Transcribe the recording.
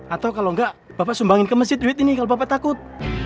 atau kalau enggak bapak sumbangin ke masjid duit ini kalau bapak takut